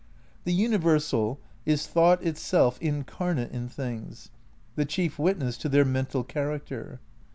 The universal is thought itself incarnate in things,, the chief witness to their mental character.